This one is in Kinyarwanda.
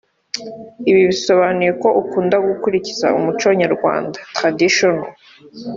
Ibi bisobanuye ko ukunda gukurikiza umuco (tradition)